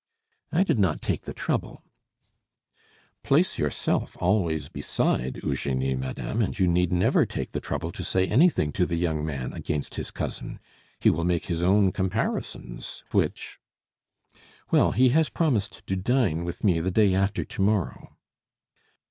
"I did not take the trouble " "Place yourself always beside Eugenie, madame, and you need never take the trouble to say anything to the young man against his cousin; he will make his own comparisons, which " "Well, he has promised to dine with me the day after to morrow."